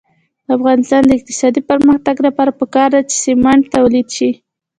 د افغانستان د اقتصادي پرمختګ لپاره پکار ده چې سمنټ تولید شي.